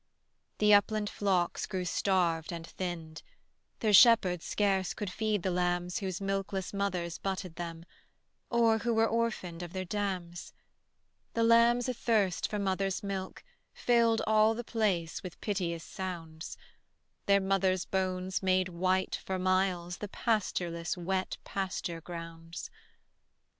The upland flocks grew starved and thinned: Their shepherds scarce could feed the lambs Whose milkless mothers butted them, Or who were orphaned of their dams. The lambs athirst for mother's milk Filled all the place with piteous sounds: Their mothers' bones made white for miles The pastureless wet pasture grounds.